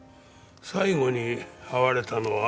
最後に会われたのは？